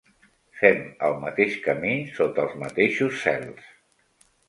Fem el mateix camí sota els mateixos cels.